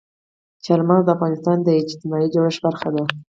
چار مغز د افغانستان د اجتماعي جوړښت برخه ده.